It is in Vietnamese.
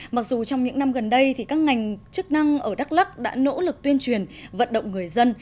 mặc dù trong những năm gần đây thì các ngành chức năng ở đắk lắk đã nỗ lực tuyên truyền vận động người dân